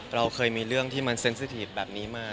เราเคยมีเรื่องที่มันเซ็นสถีบแบบนี้มา